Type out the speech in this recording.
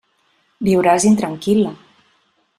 Viuràs intranquil·la.